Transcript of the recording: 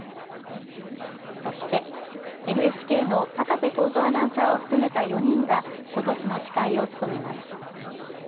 そして、ＮＨＫの高瀬耕造アナウンサーを含めた４人がことしの司会を務めます。